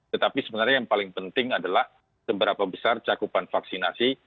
tetapi sebenarnya yang paling penting adalah seberapa besar cakupan vaksinasi